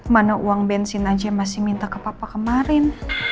mana uang bensin aja yang masih minta ke papa kemarin